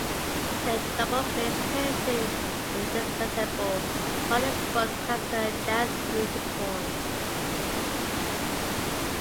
The double bass plays an indispensable part in both classical and jazz music forms.